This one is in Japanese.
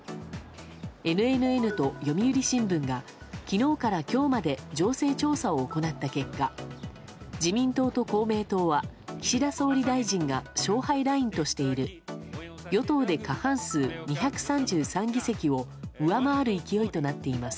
ＮＮＮと読売新聞が昨日から今日まで情勢調査を行った結果自民党と公明党は岸田総理大臣が勝敗ラインとしている与党で過半数２３３議席を上回る勢いとなっています。